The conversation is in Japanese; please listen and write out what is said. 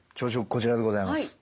こちらでございます。